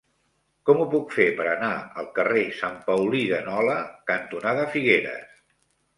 Com ho puc fer per anar al carrer Sant Paulí de Nola cantonada Figueres?